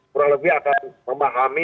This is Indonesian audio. kurang lebih akan memahami